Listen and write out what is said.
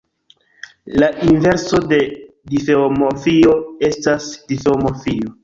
La inverso de difeomorfio estas difeomorfio.